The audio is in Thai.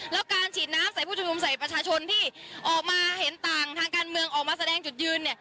แล้วการฉีดน้ำใส่ผู้ชมนุมใส่ประชาชนที่ออกมาเห็นต่างทางการเมืองออกมาแสดงจุดยืน